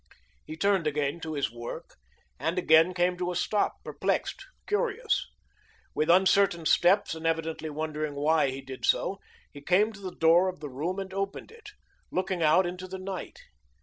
He turned again to his work, and again came to a stop, perplexed, curious. With uncertain steps, and evidently wondering why he did so, he came to the door of the room and opened it, looking out into the night.